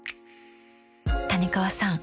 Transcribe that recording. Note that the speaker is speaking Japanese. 谷川さん